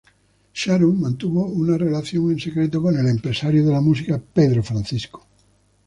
Sharon mantuvo una relación en secreto con el empresario de la música Pedro Francisco.